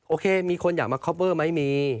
โอเคมีคนอยากมาคอปเวอร์มั้ยมี